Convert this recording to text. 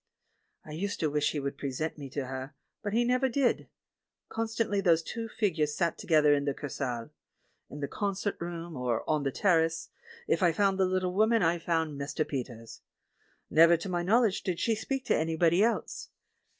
I used to wish he would present me to her, but he never did. Constantly those two figures sat together in the Kursaal. In the concert room, or on the terrace, if I found the httle woman I found Mr. Peters. Never to my knowledge did she speak to anybody else.